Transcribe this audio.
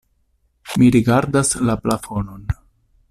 Mi rigardas la plafonon.